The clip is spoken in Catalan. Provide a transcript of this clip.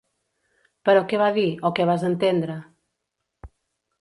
Però què va dir, o què vas entendre?